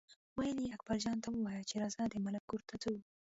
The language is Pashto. ویل یې اکبرجان ته ووایه چې راځه د ملک کور ته ځو.